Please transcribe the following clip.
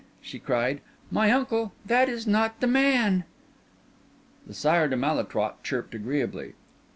she cried. "My uncle, that in not the man!" The Sire de Malétroit chirped agreeably.